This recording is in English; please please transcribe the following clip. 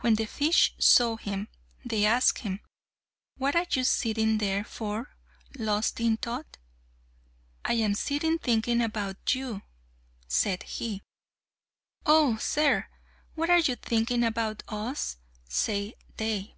When the fish saw him, they asked him, "What are you sitting there for, lost in thought?" "I am sitting thinking about you," said he. "Oh, sir! what are you thinking about us?" said they.